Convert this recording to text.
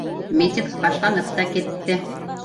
Митинг башланып та китте